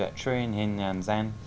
at truyền hình nhân dân